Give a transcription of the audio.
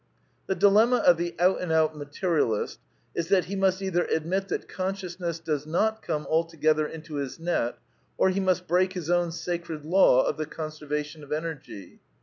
The diji^ama of the out and out Materia list is that he must ^jthgy admit that consciousness does not come al to^^ether into his net, or he must break his own sacred law of the conservation of Energy.